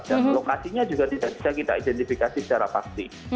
dan lokasinya juga tidak bisa kita identifikasi secara pasti